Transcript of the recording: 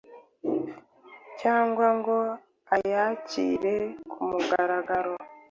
cyangwa ngo ayakire ku mugaragaro.